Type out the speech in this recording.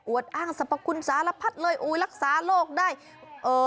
อ้างสรรพคุณสารพัดเลยอุ้ยรักษาโรคได้เอ่อ